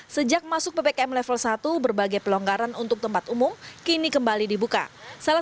sejak masuk ppkm level satu berbagai pelonggaran untuk tempat umum kini kembali dibuka salah